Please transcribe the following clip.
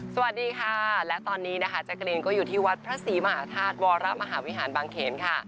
สวัสดีค่ะและตอนนี้นะคะแจ๊กรีนก็อยู่ที่วัดพระศรีมหาธาตุวรมหาวิหารบางเขนค่ะ